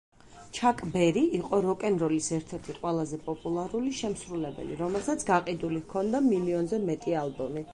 ჩაკ ბერი იყო როკ-ენ-როლის ერთ-ერთი ყველაზე პოპულარული შემსრულებელი, რომელსაც გაყიდული ჰქონდა მილიონზე მეტი ალბომი.